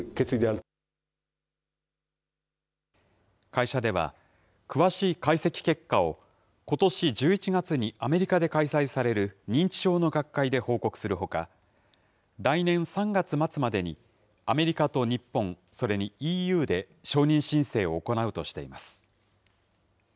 会社では、詳しい解析結果を、ことし１１月にアメリカで開催される認知症の学会で報告するほか、来年３月末までに、アメリカと日本、それにＥＵで承認申請を行うとしています。